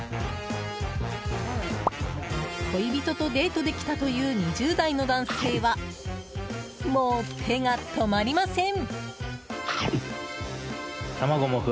恋人とデートで来たという２０代の男性はもう手が止まりません。